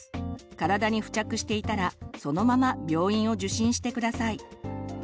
体に付着していたらそのまま病院を受診して下さい。